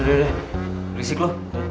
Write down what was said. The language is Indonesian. yaudah deh risik lo